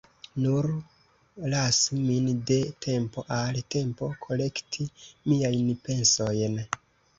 Nur lasu min de tempo al tempo kolekti miajn pensojn.